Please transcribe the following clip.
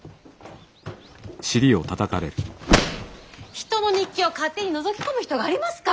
人の日記を勝手にのぞき込む人がありますか！